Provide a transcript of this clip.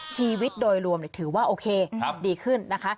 ชีวิตโดยรวมถือว่าโอเคดีขึ้นนะคะ